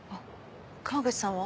河口さんは？